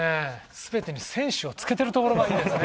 全てに「選手」をつけてるところがいいですね。